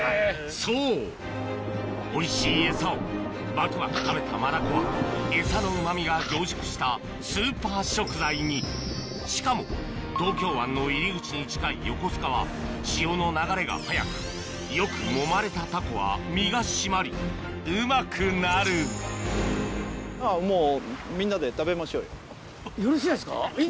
そうおいしいエサをバクバク食べたマダコはエサのうまみが凝縮したスーパー食材にしかも東京湾の入り口に近い横須賀は潮の流れが速くよくもまれたタコは身が締まりうまくなるよろしいですか？